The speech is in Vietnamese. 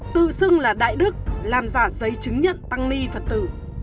tự xưng là đại đức làm giả giấy chứng nhận tăng ni phật tử